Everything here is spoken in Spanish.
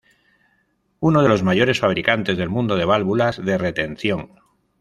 Uno de los mayores fabricantes del mundo de válvulas de retención.